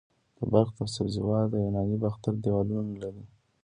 د بلخ د سبزې وار د یوناني باختر دیوالونه لري